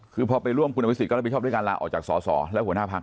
คือพอไปร่วมคุณอภิษฎก็รับผิดชอบด้วยการลาออกจากสอสอและหัวหน้าพัก